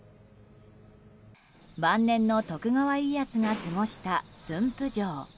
晩年の徳川家康が過ごした駿府城。